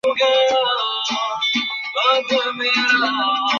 যদি জীবন চাও তবে ইহার জন্য তোমাকে প্রতি মুহূর্তে মরিতে হইবে।